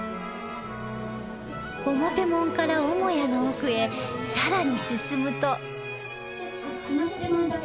表門から主屋の奥へさらに進むと